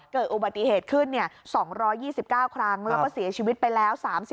เกิดอุบัติเหตุขึ้น๒๒๙ครั้งแล้วก็เสียชีวิตไปแล้ว